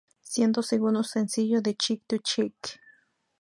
Siendo segundo sencillo de Cheek to Cheek.